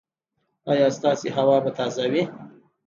ایا ستاسو هوا به تازه وي؟